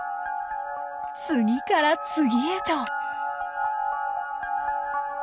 次から次へと。